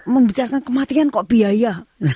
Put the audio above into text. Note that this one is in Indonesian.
membicarakan kematian kok biaya